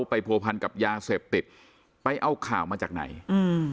ผัวพันกับยาเสพติดไปเอาข่าวมาจากไหนอืม